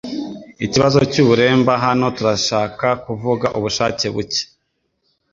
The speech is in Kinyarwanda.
Ikibazo cy'uburemba Hano turashaka kuvuga ubushake buke